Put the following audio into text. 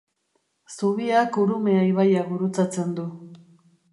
Zubiak Urumea ibaia gurutzatzen du.